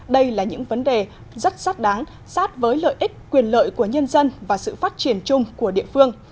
đây là những vấn đề rất xác đáng sát với lợi ích quyền lợi của nhân dân và sự phát triển chung của địa phương